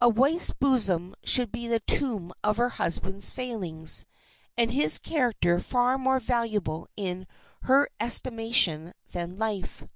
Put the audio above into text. A wife's bosom should be the tomb of her husband's failings, and his character far more valuable in her estimation than life.